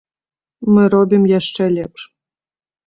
Мы робім яшчэ лепш.